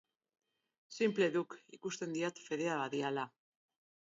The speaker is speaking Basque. Sinple duk, ikusten diat fedea badiala.